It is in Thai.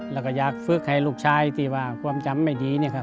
แล้วก็อยากฟึกให้ลูกชายความจำไม่ดี